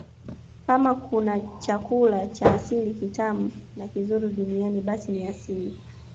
Kama kuna chakula cha asili kitamu na kizuri duniani basi ni asali